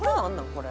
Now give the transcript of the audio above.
これ」